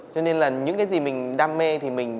cho nên là những cái gì mình đam mê thì mình